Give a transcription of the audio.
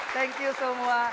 thank you semua